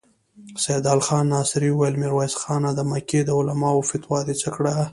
سيدال خان ناصري وويل: ميرويس خانه! د مکې د علماوو فتوا دې څه کړه؟